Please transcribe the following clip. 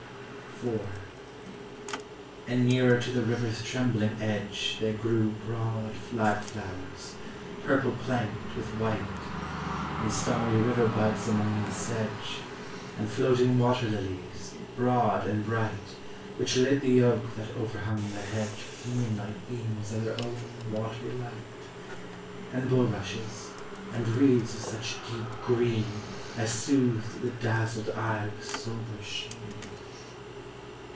IV. And nearer to the river's trembling edge There grew broad flag flowers, purple prankt with white, And starry river buds among the sedge, And floating water lilies, broad and bright. Which lit the oak that overhung the hedge With moonlight beams of their own watery light; And bulrushes, and reeds of such deep green As soothed the dazzled eye with sober sheen.